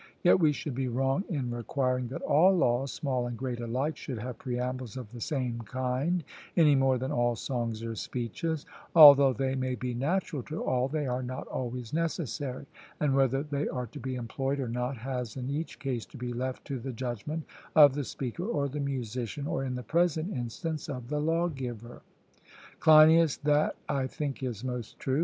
Yet we should be wrong in requiring that all laws, small and great alike, should have preambles of the same kind, any more than all songs or speeches; although they may be natural to all, they are not always necessary, and whether they are to be employed or not has in each case to be left to the judgment of the speaker or the musician, or, in the present instance, of the lawgiver. CLEINIAS: That I think is most true.